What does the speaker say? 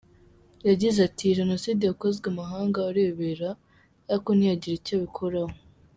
Yagize ati” Iyi Jenoside yakozwe amahanga arebera ariko ntiyagira icyo abikoraho.